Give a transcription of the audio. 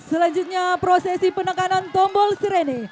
selanjutnya prosesi penekanan tombol sereni